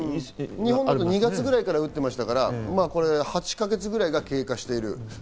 日本で２月ぐらいから打ってましたから、８か月が経過している。